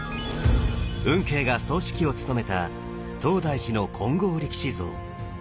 運慶が総指揮を務めた東大寺の金剛力士像。